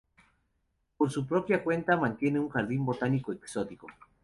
Por su propia cuenta, mantiene un jardín botánico exótico.